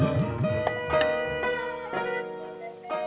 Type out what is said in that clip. gak ada mama enggak punya pancingan belut